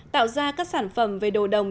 tạo ra các sản phẩm về đồ đồng